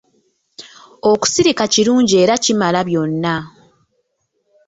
Okusirika kirungi era kimala byonna.